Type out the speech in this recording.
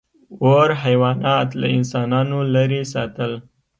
• اور حیوانات له انسانانو لرې ساتل.